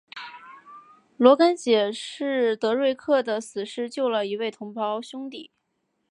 罗根解释德瑞克的死是救了一位同袍兄弟。